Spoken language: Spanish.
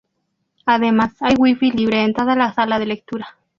Además hay Wifi libre en toda la sala de lectura.